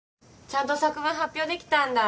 ちゃんと作文発表できたんだ。